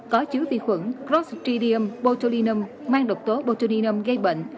có chứa vi khuẩn prostridium botulinum mang độc tố botulinum gây bệnh